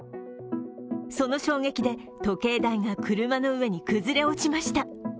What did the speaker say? その衝撃で時計台が車の上に崩れ落ちました。